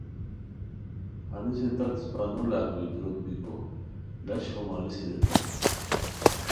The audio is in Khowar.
ہنیسے تت اسپہ نو لاکوئے دوروت بیکو، لاش ہو ماریسی ریتانی